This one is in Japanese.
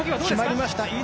決まりました。